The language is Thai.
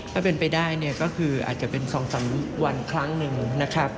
ถ้าเป็นไปได้เนี่ยก็คืออาจจะเป็น๒๓วันครั้งหนึ่งนะครับ